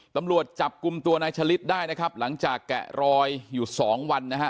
ตำรวจจับกลุ่มตัวนายชะลิดได้นะครับหลังจากแกะรอยอยู่สองวันนะฮะ